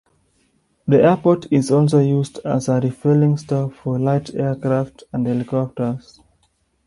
The airport is also used as a refuelling stop for light aircraft and helicopters.